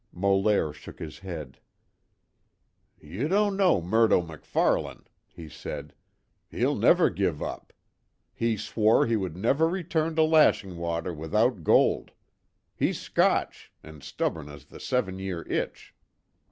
Molaire shook his head: "Ye don't know Murdo MacFarlane," he said, "He'll never give up. He swore he would never return to Lashin' Water without gold. He's Scotch an' stubborn as the seven year itch."